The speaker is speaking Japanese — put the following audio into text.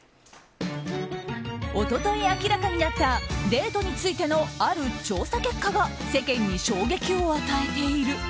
一昨日、明らかになったデートについてのある調査結果が世間に衝撃を与えている。